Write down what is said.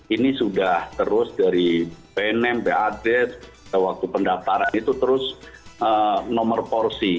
ini sudah terus dari bnm bad waktu pendataran itu terus nomor porsi